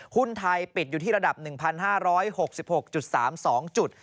หุ้นไทยปิดอยู่ที่ระดับ๑๕๖๖๓๒จุด